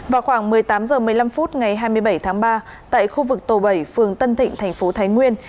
vào khoảng một mươi tám giờ một mươi năm phút ngày hai mươi bảy tháng ba tại khu vực tổ bảy phường tân thịnh tp thái nguyên